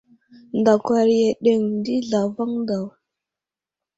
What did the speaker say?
Ndakwar i aɗeŋw ɗi zlavaŋ daw.